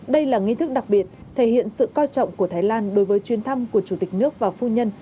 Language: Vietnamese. đây là nghi thức đặc biệt thể hiện sự coi trọng của thái lan đối với chuyến thăm của chủ tịch nước và phu nhân